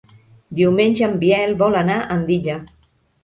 Diumenge en Biel vol anar a Andilla.